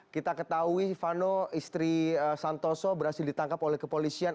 kita ketahui vano istri santoso berhasil ditangkap oleh kepolisian